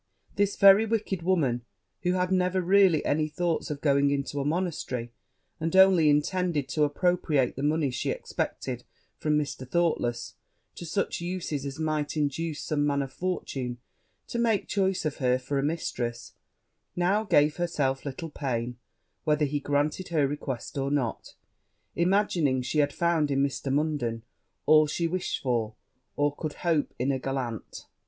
This very wicked woman, who had never any real thoughts of going into a monastery, and only intended to appropriate the money she expected from Mr. Thoughtless to such uses as might induce some man of fortune to make choice of her for a mistress, now gave herself little pain whether he granted her request or not, imagining she had found in Mr. Munden all she wished for, or could hope, in a gallant.